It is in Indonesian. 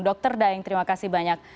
dokter daing terima kasih banyak